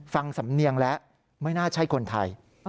สำเนียงแล้วไม่น่าใช่คนไทย